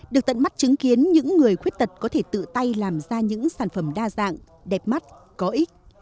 được tận mắt chứng kiến những người khuyết tật có thể tự tay làm ra những sản phẩm đa dạng đẹp mắt có ích